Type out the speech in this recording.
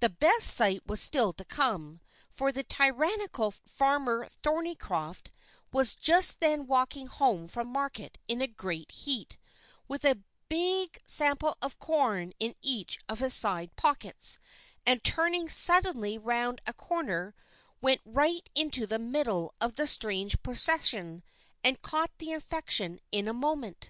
The best sight was still to come; for the tyrannical Farmer Thornycroft was just then walking home from market in a great heat, with a big sample of corn in each of his side pockets, and turning suddenly round a corner, went right into the middle of the strange procession and caught the infection in a moment.